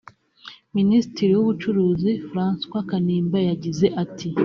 Minisitiri w’Ubucuruzi François Kanimba yagize ati